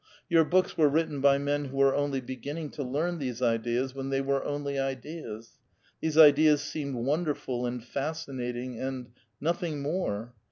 Your books were written by men who were only beginning to learn these ideas when they were only ideas ; these ideas seemed wonderful and fascinating and — nothing more.